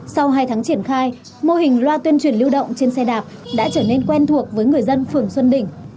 sau hai tháng triển khai mô hình loa tuyên truyền lưu động trên xe đạp đã trở nên quen thuộc với người dân phường xuân đỉnh